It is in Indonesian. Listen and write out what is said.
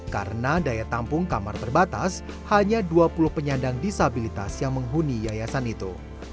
karena daya tampung kamar terbatas hanya dua puluh penyandang disabilitas yang menghuni yayasan itu